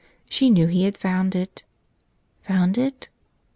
She knew He had found it. Found it?